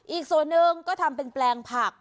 อีกส่วนหนึ่งก็ทำเป็นแปลงผัก